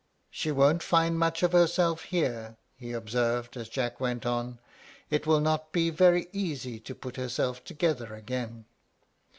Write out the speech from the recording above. "She won't find much of herself here," he observed, as Jack went on. "It will not be very easy to put herself together again."